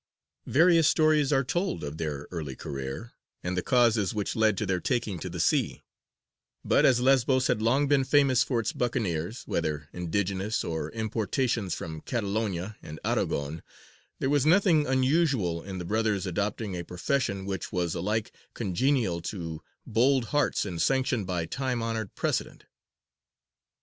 Various stories are told of their early career, and the causes which led to their taking to the sea; but as Lesbos had long been famous for its buccaneers, whether indigenous or importations from Catalonia and Aragon, there was nothing unusual in the brothers adopting a profession which was alike congenial to bold hearts and sanctioned by time honoured precedent.